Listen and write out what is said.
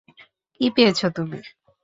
কী পেয়েছ তুমি?